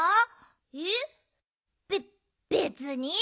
えっべっべつに。